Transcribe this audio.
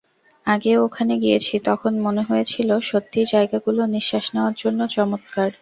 আগেও ওখানে গিয়েছি, তখন মনে হয়েছিল সত্যিই জায়গাগুলো নিঃশ্বাস নেওয়ার জন্য চমৎকার।